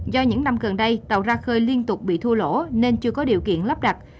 do những năm gần đây tàu ra khơi liên tục bị thua lỗ nên chưa có điều kiện lắp đặt